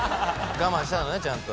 我慢したのねちゃんと。